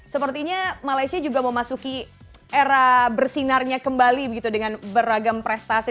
sepertinya malaysia juga memasuki era bersinarnya kembali begitu dengan beragam prestasi